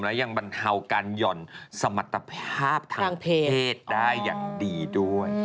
และยังบรรเทาการหย่อนสมรรถภาพทางเพศได้อย่างดีด้วย